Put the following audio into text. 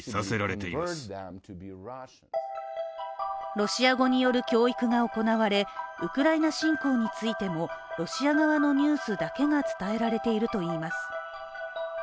ロシア語による教育が行われウクライナ侵攻についてもロシア側のニュースだけが伝えられているといいます。